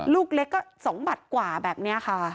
ลูกเล็กก็๒บาทกว่าแบบนี้ค่ะ